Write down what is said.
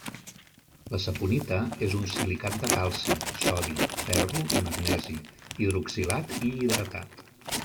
La saponita és un silicat de calci, sodi, ferro i magnesi, hidroxilat i hidratat.